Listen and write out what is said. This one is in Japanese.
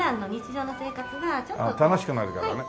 楽しくなるからね。